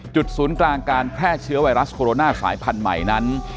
ศูนย์กลางการแพร่เชื้อไวรัสโคโรนาสายพันธุ์ใหม่นั้น